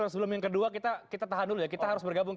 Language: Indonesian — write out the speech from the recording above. sebelum yang kedua kita tahan dulu ya kita harus bergabung